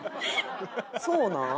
そうなん？